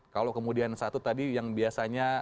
kalau kemudian satu tadi yang biasanya